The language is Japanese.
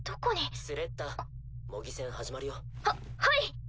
スレッタ模擬戦始まるよ。ははい。